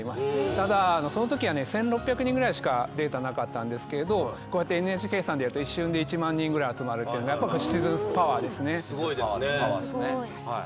ただ、その時は１６００人ぐらいしかデータがなかったんですけれどこうやって、ＮＨＫさんでやると一瞬で１万人ぐらい集まるのでシチズンパワーですね。